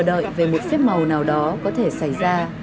chờ đợi về một xếp màu nào đó có thể xảy ra